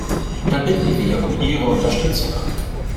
Da bitten wir um Ihre Unterstützung.